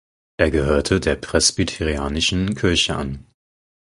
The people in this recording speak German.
Er gehörte der Presbyterianischen Kirche an.